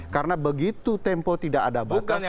karena begitu tempo tidak ada batas